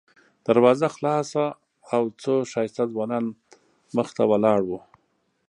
دروازه خلاصه او څو ښایسته ځوانان مخې ته ولاړ وو.